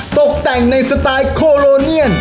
ตกแต่งในสไตล์โคโลเนียน